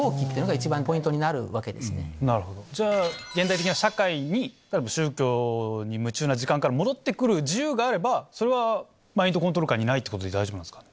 なるほどじゃあ現代的な社会に宗教に夢中な時間から戻って来る自由があればそれはマインドコントロール下にないってことで大丈夫なんですか？